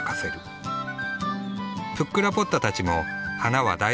プックラポッタたちも花は大好きなようだ。